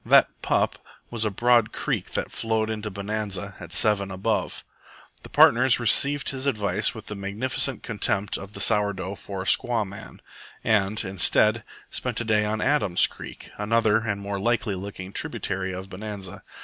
"That pup" was a broad creek that flowed into Bonanza at 7 ABOVE. The partners received his advice with the magnificent contempt of the sour dough for a squaw man, and, instead, spent the day on Adam's Creek, another and more likely looking tributary of Bonanza.